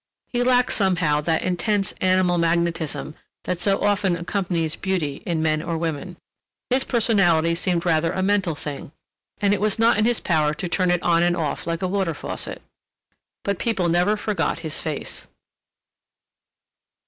He lacked somehow that intense animal magnetism that so often accompanies beauty in men or women; his personality seemed rather a mental thing, and it was not in his power to turn it on and off like a water faucet. But people never forgot his face.